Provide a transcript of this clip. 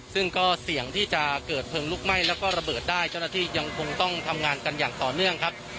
ซึ่งก็เสี่ยงที่จะเกิดเพลิงลุกไหม้แล้วก็ระเบิดได้เจ้าหน้าที่ยังคงต้องทำงานกันอย่างต่อเนื่องครับ